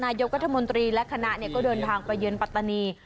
นายกรัฐมนตรีและคณะก็เดินทางไปเยือนปัตตานี